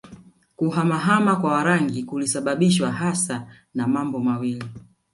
Kuhama hama kwa Warangi kulisababishwa hasa na mambo mawili